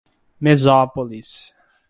Mesópolis